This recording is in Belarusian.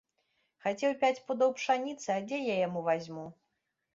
Хацеў пяць пудоў пшаніцы, а дзе я яму вазьму.